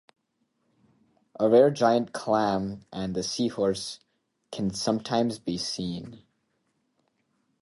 The rare giant clam and the seahorse can sometimes be seen.